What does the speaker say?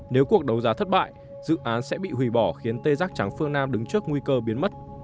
nếu cuộc đấu giá thất bại dự án sẽ bị hủy bỏ khiến tê giác trắng phương nam đứng trước nguy cơ biến mất